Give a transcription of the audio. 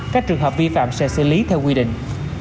các trường hợp vi phạm sẽ xử lý theo quy định